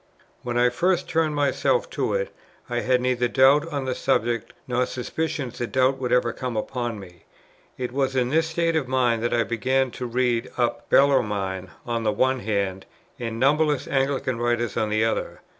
When I first turned myself to it, I had neither doubt on the subject, nor suspicion that doubt would ever come upon me. It was in this state of mind that I began to read up Bellarmine on the one hand, and numberless Anglican writers on the other.